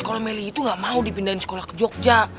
kalau meli itu nggak mau dipindahin sekolah ke jogja